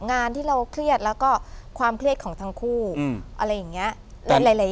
งานที่เราเครียดแล้วก็ความเครียดของทั้งคู่อะไรอย่างเงี้ยหลาย